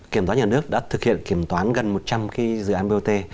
kiểm toán nhà nước đã thực hiện kiểm toán gần một trăm linh dự án bot